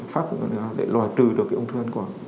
phát triển là để loại trừ được cái ung thư thanh quản